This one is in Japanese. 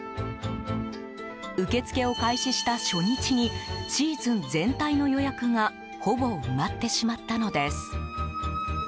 受け付けを開始した初日にシーズン全体の予約がほぼ埋まってしまったのです。